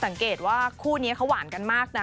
สังเกตว่าคู่นี้เขาหวานกันมากนะ